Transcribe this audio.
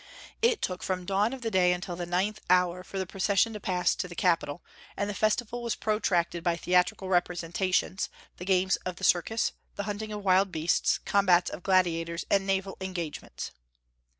It took from dawn of day until the ninth hour for the procession to pass to the capitol; and the festival was protracted by theatrical representations, the games of the circus, the hunting of wild beasts, combats of gladiators, and naval engagements."